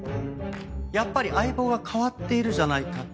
やっぱり相棒が変わっているじゃないかって？